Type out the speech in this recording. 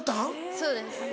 そうです。